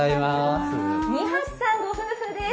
二橋さんご夫婦です。